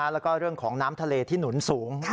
แล้วก็เรื่องของน้ำทะเลที่หนุนสูง